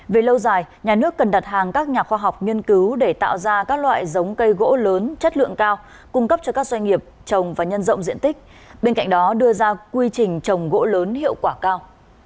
về lâu dài nhà nước cần đặt hàng các nhà khoa học nghiên cứu để tạo ra các loại giống cây gỗ lớn chất lượng cao cung cấp cho các doanh nghiệp trồng và nhân rộng diện tích bên cạnh đó đưa ra quy trình trồng gỗ lớn hiệu quả cao